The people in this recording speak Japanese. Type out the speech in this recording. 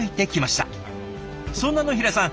そんな野平さん